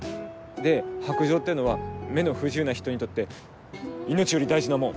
で白杖っていうのは目の不自由な人にとって命より大事なもん。